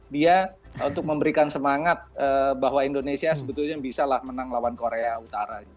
dia untuk memberikan semangat bahwa indonesia sebetulnya bisa lah menang lawan korea utara